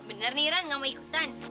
bener nih ran gak mau ikutan